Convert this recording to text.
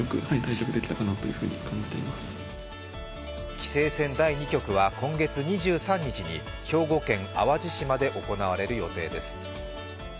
棋聖戦第２局は今月２３日に兵庫県淡路島で行われる予定です。